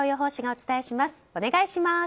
お願いします。